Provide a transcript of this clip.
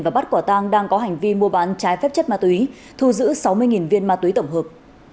và bắt quả tang đang có hành vi mua bán trái phép chất ma túy thu giữ sáu mươi viên ma túy tổng hợp